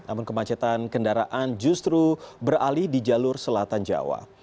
namun kemacetan kendaraan justru beralih di jalur selatan jawa